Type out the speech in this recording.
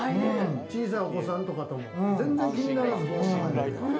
小さいお子さんとも、全然気にならずに。